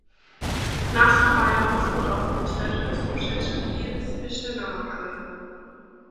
Nastupajo hospodarske ćeže su přećiwki spěšnje namakane.